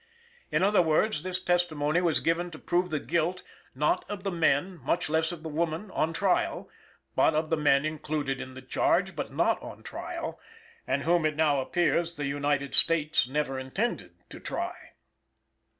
In other words, this testimony was given to prove the guilt, not of the men much less of the woman on trial, but of the men included in the charge but not on trial; and whom, as it now appears, the United States never intended to try.